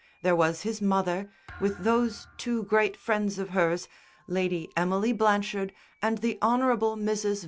There was his mother, with those two great friends of hers, Lady Emily Blanchard and the Hon. Mrs.